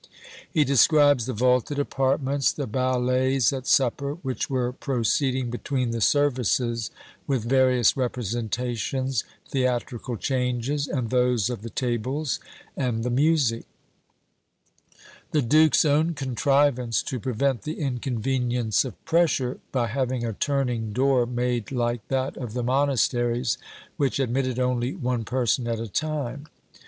He describes the vaulted apartments, the ballets at supper, which were proceeding between the services with various representations, theatrical changes, and those of the tables, and the music; the duke's own contrivance, to prevent the inconvenience of pressure, by having a turning door made like that of the monasteries, which admitted only one person at a time.